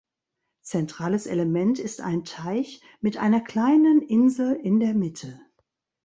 Zentrales Element ist ein Teich mit einer kleinen Insel in der Mitte.